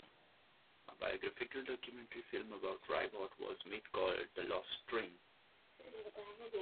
A biographical documentary film about Ribot was made, called "The Lost String".